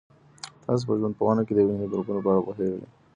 تاسو په ژوندپوهنه کي د وینې د ګروپونو په اړه پوهېږئ؟